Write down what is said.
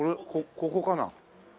ここかな？